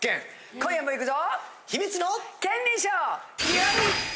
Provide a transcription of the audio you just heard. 今夜もいくぞ！